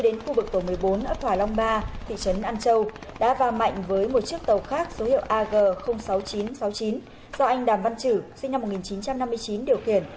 trên sông hậu khi đến khu vực tổ một mươi bốn ở thỏa long ba thị trấn an châu đã và mạnh với một chiếc tàu khác số hiệu ag sáu nghìn chín trăm sáu mươi chín do anh đàm văn trử sinh năm một nghìn chín trăm năm mươi chín điều khiển